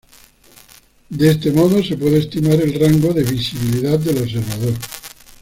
De este modo se puede estimar el rango de visibilidad del observador.